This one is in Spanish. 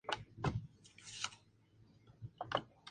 En la zona hay pescadores que capturan sus presas en el embalse.